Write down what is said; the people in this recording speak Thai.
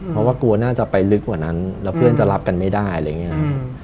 เพราะว่ากลัวน่าจะไปลึกกว่านั้นแล้วเพื่อนจะรับกันไม่ได้อะไรอย่างนี้ครับ